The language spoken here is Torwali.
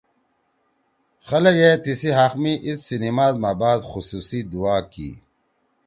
خلگے سی تیِسی حق می عید سی نیماز ما بعد خصوصی دعا کی